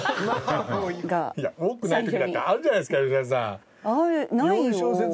いや多くない時だってあるじゃないですか吉田さん。